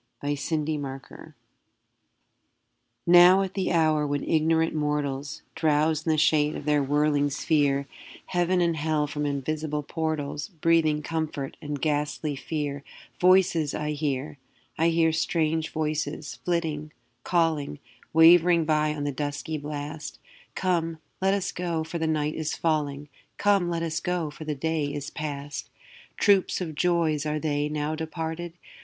TWILIGHT VOICES Now, at the hour when ignorant mortals Drowse in the shade of their whirling sphere, Heaven and Hell from invisible portals Breathing comfort and ghastly fear, Voices I hear; I hear strange voices, flitting, calling, Wavering by on the dusky blast, 'Come, let us go, for the night is falling; Come, let us go, for the day is past!' Troops of joys are they, now departed?